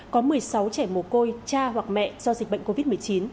có một mươi sáu trẻ mồ côi cha hoặc mẹ do dịch bệnh covid một mươi chín